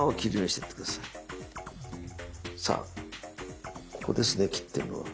さあここですね切ってるのは。